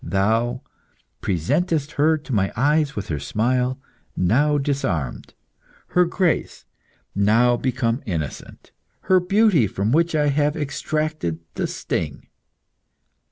Thou; presentest her to my eyes with her smile now disarmed; her grace, now become innocent; her beauty from which I have extracted the sting.